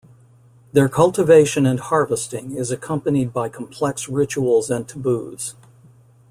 Their cultivation and harvesting is accompanied by complex rituals and taboos.